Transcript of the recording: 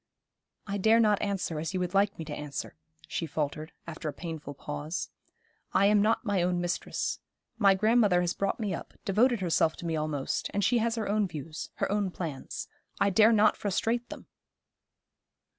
'I dare not answer as you would like me to answer,' she faltered, after a painful pause. 'I am not my own mistress. My grandmother has brought me up, devoted herself to me almost, and she has her own views, her own plans. I dare not frustrate them!'